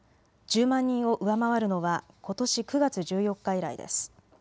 １０万人を上回るのはことし９月１４日以来です。